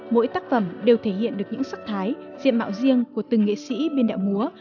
mỗi tác phẩm đều thể hiện được những sắc thái diện mạo riêng của từng nghệ sĩ biên đạo múa